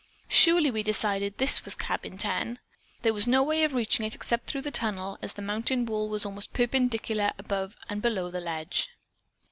Surely, we decided, this was Cabin 10. There was no way of reaching it except through the tunnel, as the mountain wall was almost perpendicular above and below the ledge.